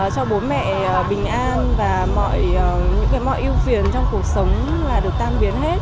cho bố mẹ bình an và mọi những cái mọi yêu phiền trong cuộc sống là được tan biến hết